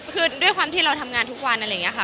คือด้วยความที่เราทำงานทุกวันอะไรอย่างนี้ค่ะ